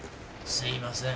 すいません。